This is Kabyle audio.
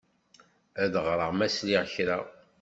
Ad d-ɣreɣ ma sliɣ kra.